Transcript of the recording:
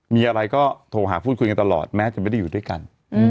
มีอะไรก็โทรหาพูดคุยกันตลอดแม้จะไม่ได้อยู่ด้วยกัน